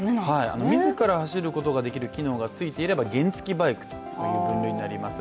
自ら走ることができる機能が付いていれば原付きバイクという分類になります。